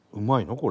これ。